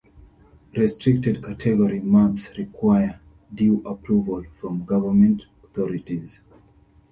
Restricted category maps require due approval from government authorities.